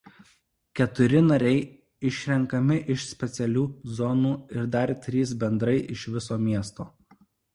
Keturi nariai išrenkami iš specialių zonų ir dar trys bendrai iš viso miesto.